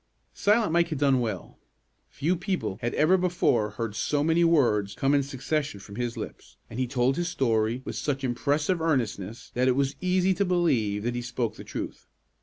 Silent Mike had done well. Few people had ever before heard so many words come in succession from his lips, and he told his story with such impressive earnestness that it was easy to believe that he spoke the truth.